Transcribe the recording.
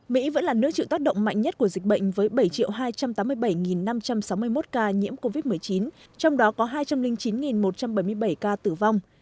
mỹ vẫn là nước chịu tác động mạnh nhất của dịch bệnh với bảy hai trăm tám mươi bảy năm trăm sáu mươi một ca nhiễm covid một mươi chín trong đó có hai trăm linh chín một trăm bảy mươi bảy ca tử vong